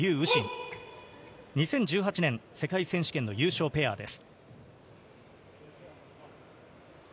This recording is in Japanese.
２０１８年世界選手権の優勝ペアです。